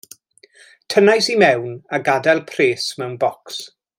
Tynnais i mewn a gadael pres mewn bocs.